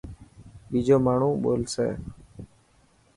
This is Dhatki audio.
ٻيجو ماڻهو ٻولسي.